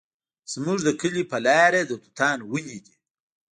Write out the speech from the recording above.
زموږ د کلي په لاره د توتانو ونې دي